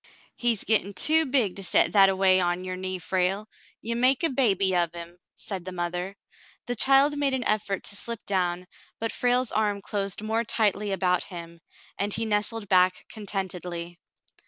" He's gettin' too big to set that a way on your knee, Frale. Ye make a baby of him," said the mother. The child made an effort to slip down, but Frale's arm closed more tightly about him, and he nestled back contentedly.